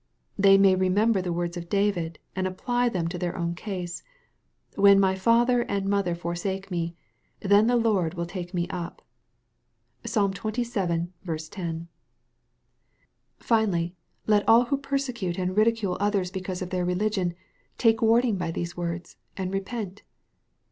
They may remember the words of David, and apply them to their own case, " When my father and mother forsake me, then the Lord will take me up." (Psal. xxvii. 10.) Finally, let all who persecute and ridicule others be 62 EXPOSITOEY THOUGHTS. cause of their religion, take warning by these words, and repent